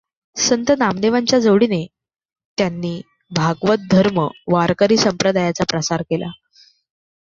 संत नामदेवांच्या जोडीने त्यांनी भागवत धर्म वारकरी संप्रदायाचा प्रसार केला.